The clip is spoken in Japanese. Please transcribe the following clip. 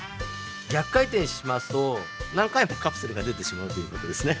逆回転しますとなんかいもカプセルがでてしまうということですね。